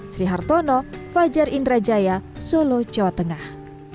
sri hartono fajar indrajaya solo jawa tengah